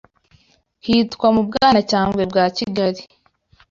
hitwa “Mu Bwanacyambwe bwa Kigali”